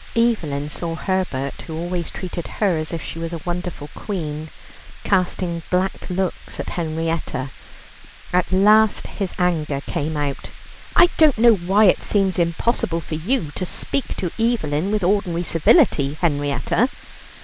Evelyn saw Herbert, who always treated her as if she were a wonderful queen, casting black looks at Henrietta. At last his anger came out: "I don't know why it seems impossible for you to talk to Evelyn with ordinary civility, Henrietta."